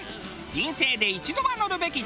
「人生で一度は乗るべき」